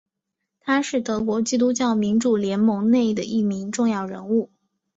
他是德国基督教民主联盟内的一名重要人物。